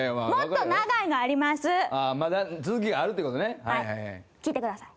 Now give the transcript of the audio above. まだ続きがあるってことね。